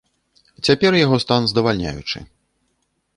Цяпер яго стан здавальняючы.